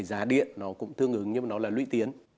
giá điện cũng tương ứng nhưng nó là lũy tiến